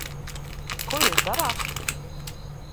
Ko jūs darāt?